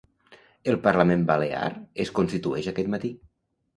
El parlament balear es constitueix aquest matí.